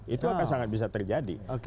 itu akan sangat bisa terjadi